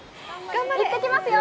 いってきますよ。